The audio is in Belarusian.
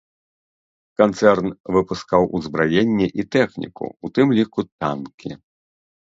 Канцэрн выпускаў узбраенне і тэхніку, у тым ліку танкі.